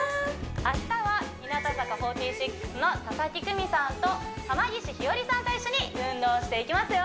明日は日向坂４６の佐々木久美さんと濱岸ひよりさんと一緒に運動をしていきますよ